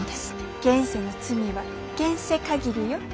現世の罪は現世限りよ。